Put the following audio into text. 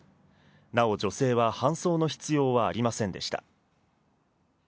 なお、女性は搬送の必要はありませんでした。